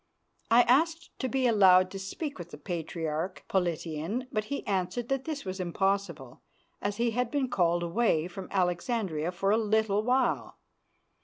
I asked to be allowed to speak with the Patriarch Politian, but he answered that this was impossible, as he had been called away from Alexandria for a little while.